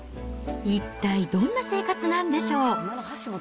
一体どんな生活なんでしょう。